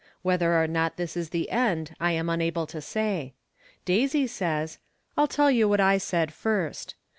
Whether or not this is the end I am unable to say. Daisy says — I'll tell you what / said first.